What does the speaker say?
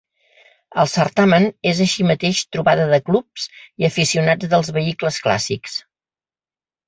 El certamen es així mateix trobada de clubs i aficionats dels vehicles clàssics.